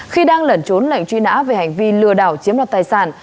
khi đang lẩn trốn lệnh truy nã về hành vi lừa đảo chiếm đoạt tài sản